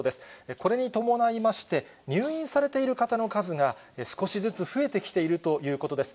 これに伴いまして、入院されている方の数が、少しずつ増えてきているということです。